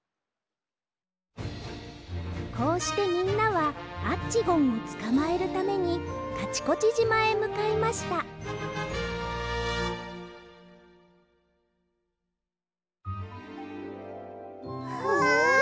こうしてみんなはアッチゴンをつかまえるためにカチコチじまへむかいましたわ！